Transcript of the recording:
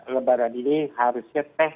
lebaran ini harusnya tes